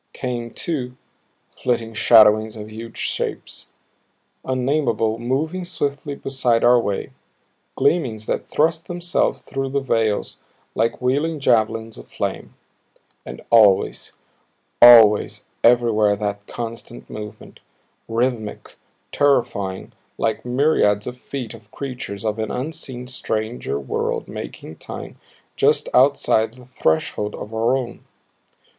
Came, too, flitting shadowings of huge shapes, unnameable, moving swiftly beside our way; gleamings that thrust themselves through the veils like wheeling javelins of flame. And always, always, everywhere that constant movement, rhythmic, terrifying like myriads of feet of creatures of an unseen, stranger world marking time just outside the threshold of our own.